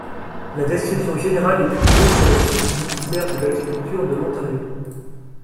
La description générale est publiée sur le site du Ministère de l'Agriculture de l'Ontario.